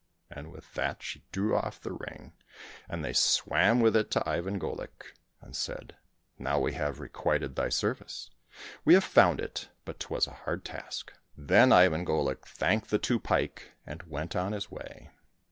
And with that she drew off the ring, and they swam with it to Ivan Golik, and said, " Now we have requited thy service. We have found it, but 'twas a hard task." 274 IVAN GOLIK AND THE SERPENTS Then Ivan Golik thanked the two pike and went on his way.